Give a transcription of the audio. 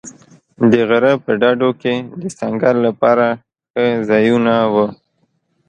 د غره په ډډو کې د سنګر لپاره ښه ځایونه و.